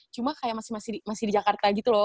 cuma kayak masih di jakarta gitu loh